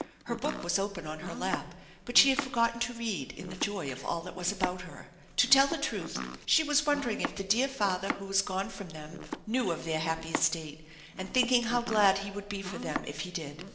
Her book was open on her lap, but she had forgotten to read in the joy of all that was about her. To tell the truth she was wondering if the dear father who was gone from them knew of their happy estate, and thinking how glad he would be for them if he did.